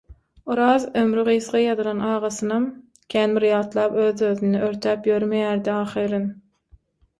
Oraz ömri gysga ýazylan agasynam kän bir ýatlap öz-özüni örtäp ýörmeýärdi ahyryn.